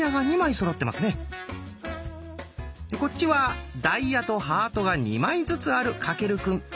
こっちはダイヤとハートが２枚ずつある翔くん。